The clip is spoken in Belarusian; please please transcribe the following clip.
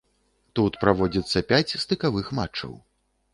Тут праводзіцца пяць стыкавых матчаў.